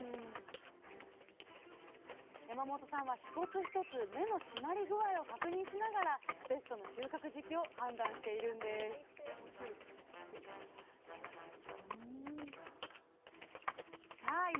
山本さんは一つ一つ芽の締まり具合を確認しながらベストの収穫時期を判断しているんですさあ